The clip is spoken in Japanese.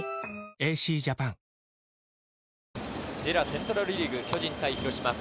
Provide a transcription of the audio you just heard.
セントラルリーグ、巨人対広島。